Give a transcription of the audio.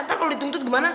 ntar kalau dituntut gimana